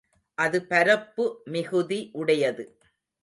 அது பரப்பு மிகுதி உடையது.